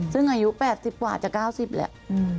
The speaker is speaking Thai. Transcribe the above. ซึ่งอายุ๘๐บาทอาจจะ๙๐บาทแล้ว